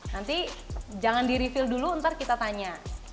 nanti jangan di refill dulu ntar kita tanya